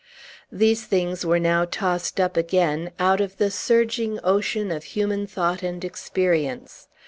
These things were now tossed up again, out of the surging ocean of human thought and experience.